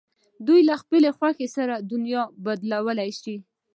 دوی له خپلې خوښې سره دنیا بدلولای شي.